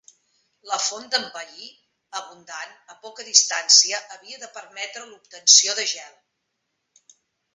La font d'en Paí, abundant, a poca distància, havia de permetre l'obtenció de gel.